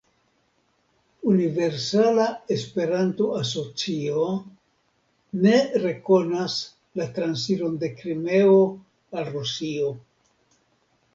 Universala Esperanto-Asocio ne rekonas la transiron de Krimeo al Rusio.